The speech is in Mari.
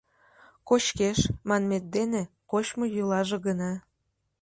Кочкеш, манмет дене, кочмо йӱлаже гына.